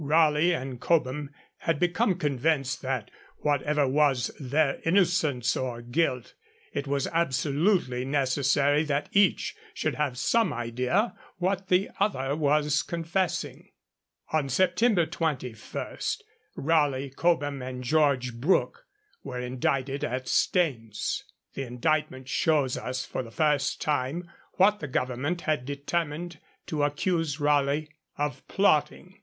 Raleigh and Cobham had become convinced that, whatever was their innocence or guilt, it was absolutely necessary that each should have some idea what the other was confessing. On September 21, Raleigh, Cobham, and George Brooke were indicted at Staines. The indictment shows us for the first time what the Government had determined to accuse Raleigh of plotting.